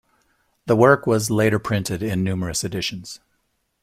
The work was later printed in numerous editions.